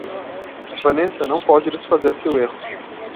Vanessa não pode desfazer seu erro.